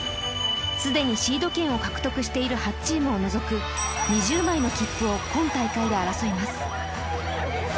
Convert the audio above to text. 既にシード権を獲得している８チームを除く２０枚の切符を今大会で争います。